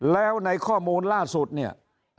แล้วในข้อมูลล่าสุดเนี่ย